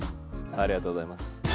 ありがとうございます。